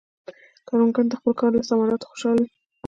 کروندګر د خپل کار له ثمراتو خوشحال وي